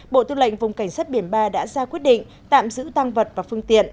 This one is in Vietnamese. bộ tư lệnh vùng cảnh sát biển ba đã ra quyết định tạm giữ tăng vật và phương tiện